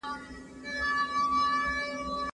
ښوونځي کي زدهکوونکي د پوښتنو ځوابونه زده کوي.